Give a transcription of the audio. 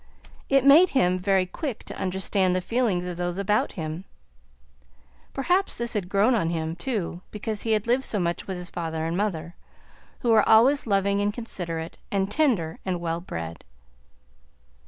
It made him very quick to understand the feelings of those about him. Perhaps this had grown on him, too, because he had lived so much with his father and mother, who were always loving and considerate and tender and well bred.